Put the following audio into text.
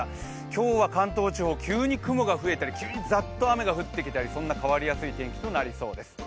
今日は関東地方、急に雲が増えたり急にザッと雨が降ってきたり、そんな変わりやすい天気となりそうです。